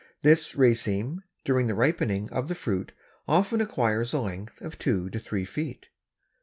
This raceme during the ripening of the fruit often acquires a length of two to three feet.